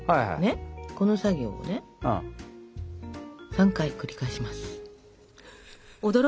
この作業をね３回繰り返します。